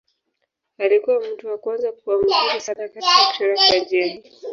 Alikuwa mtu wa kwanza kuwa mzuri sana katika kuchora kwa njia hii.